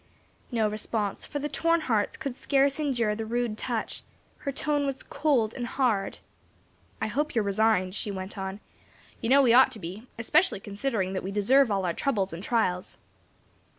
No response, for the torn hearts could scarce endure the rude touch; her tone was so cold and hard. "I hope you're resigned," she went on. "You know we ought to be; especially considering that we deserve all our troubles and trials."